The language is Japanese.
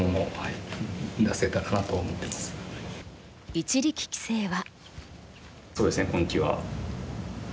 一力棋聖は。